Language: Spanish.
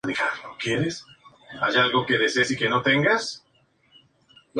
Fue autor de diversos trabajos sobre la historia y el derecho catalanes.